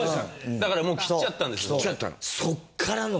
だからもう切っちゃったんでしょうね。